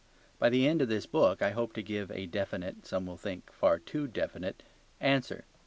By the end of this book I hope to give a definite, some will think a far too definite, answer.